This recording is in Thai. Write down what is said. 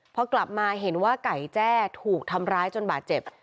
พอกลับมาเห็นว่าไก่แจ้ถูกทำร้ายจนบาดเจ็บ